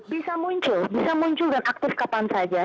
bisa muncul bisa muncul dan aktif kapan saja